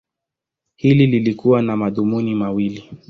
Hili lilikuwa na madhumuni mawili.